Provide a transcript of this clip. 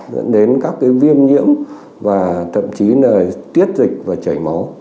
dẫn đến các cái viêm nhiễm và thậm chí là tiết dịch và chảy máu